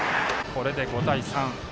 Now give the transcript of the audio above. これで５対３。